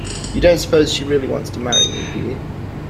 You don't suppose she really wants to marry me, do you?